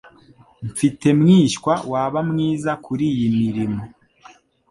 Mfite mwishywa waba mwiza kuriyi mirimo.